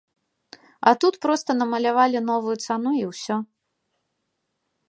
А тут проста намалявалі новую цану і ўсё.